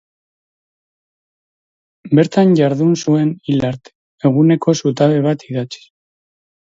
Bertan jardun zuen hil arte, eguneko zutabe bat idatziz.